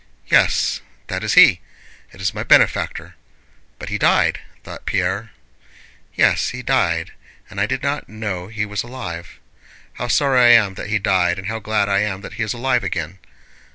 "Yes, that is he! It is my benefactor. But he died!" thought Pierre. "Yes, he died, and I did not know he was alive. How sorry I am that he died, and how glad I am that he is alive again!"